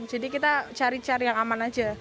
jadi kita cari cari yang aman aja